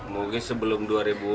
mungkin sejak tahun dua ribu